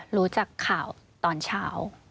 รู้จักข่าวตอนเช้า